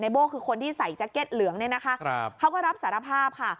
โบ้คือคนที่ใส่แจ็คเก็ตเหลืองเนี่ยนะคะเขาก็รับสารภาพค่ะ